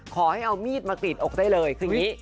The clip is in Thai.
ขอให้เอามีดมากรีดอกได้เลยคืออย่างนี้